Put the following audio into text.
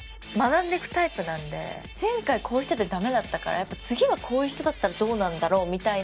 前回こういう人でダメだったからやっぱ次はこういう人だったらどうなんだろう？みたいな。